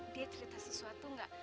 dia cerita sesuatu nggak